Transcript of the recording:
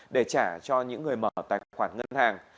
để trả cho những người mở tài khoản ngân hàng